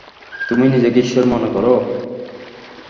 তুমি নিজেকে ঈশ্বর মনে করো?